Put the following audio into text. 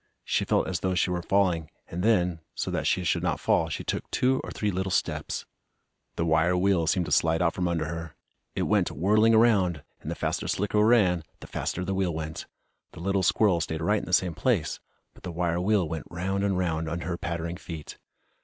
She felt as though she were falling and then, so that she should not fall, she took two or three little steps. The wire wheel seemed to slide out from under her. It went whirling around, and the faster Slicko ran, the faster the wheel went. The little squirrel stayed right in the same place, but the wire wheel went round and round under her pattering feet.